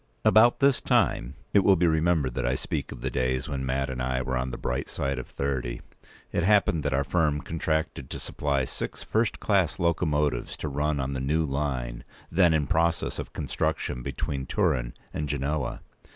About this time—it will be remembered that I speak of the days when Mat and I were on the bright side of thirty—it happened that our firm contracted to supply six first class locomotives to run on the new line, then in process of construction, between Turin and Genoa.